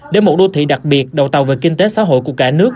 để một đô thị đặc biệt đầu tàu về kinh tế xã hội của cả nước